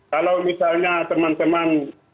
kalau misalnya teman teman